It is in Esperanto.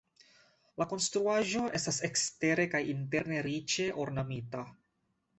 La konstruaĵo estas ekstere kaj interne riĉe ornamita.